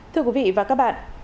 thưa quý vị và các bạn